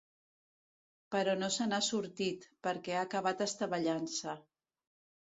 Però no se n’ha sortit, perquè ha acabat estavellant-se.